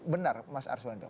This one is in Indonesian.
benar mas arswando